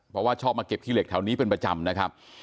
เพราะว่าชอบมาเก็บขี้เหล็กแถวนี้เป็นประจำนะครับ